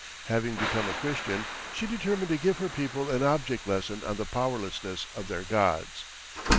Having become a Christian, she determined to give her people an object lesson on the powerlessness of their gods.